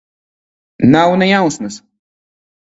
Nav ne jausmas.